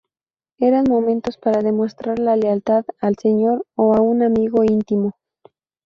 Eran momentos para demostrar la lealtad al señor o a un amigo íntimo.